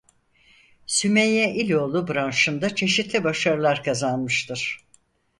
Sümeyye İloğlu branşında çeşitli başarılar kazanmıştır.